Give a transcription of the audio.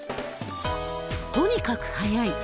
とにかく速い。